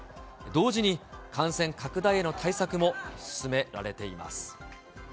同時に、感染拡大への対策も進められています。